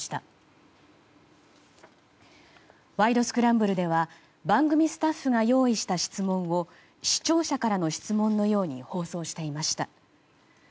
スクランブル」では番組スタッフが用意した質問を視聴者からの質問のように放送していました。